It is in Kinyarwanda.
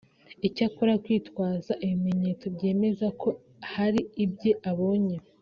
Icyakora kwitwaza ibimenyetso byemeza ko hari ibye abonye